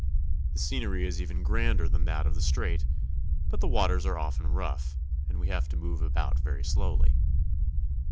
The scenery is even grander than that of the strait, but the waters are often rough, and we have to move about very slowly.